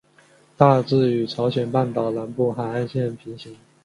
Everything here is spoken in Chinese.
大致与朝鲜半岛南部海岸线平行。